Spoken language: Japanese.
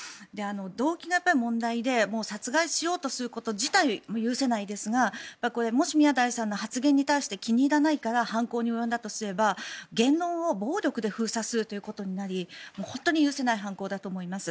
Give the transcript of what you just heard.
動機が問題で殺害しようとすること自体許せないですがもし宮台さんの発言に対して気に入らないから犯行に及んだとすれば言論を暴力で封殺するということになり本当に許せない犯行だと思います。